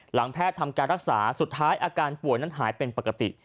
แพทย์ทำการรักษาสุดท้ายอาการป่วยนั้นหายเป็นปกติ